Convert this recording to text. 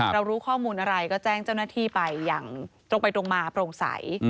เรารู้ข้อมูลอะไรก็แจ้งเจ้าหน้าที่ไปอย่างตรงไปตรงมาโปร่งใส